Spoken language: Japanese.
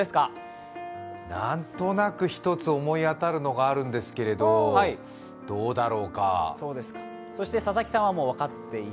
何となく、１つ思い当たるのがあるんですけど、どうだろうか。